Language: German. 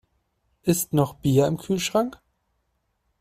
Ist noch Bier im Kühlschrank?